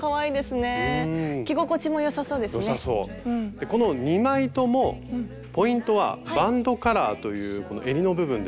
でこの２枚ともポイントは「バンドカラー」というこのえりの部分です。